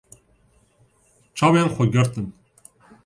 Çavên xwe girtin.